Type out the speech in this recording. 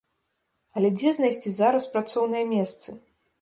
Але дзе знайсці зараз працоўныя месцы?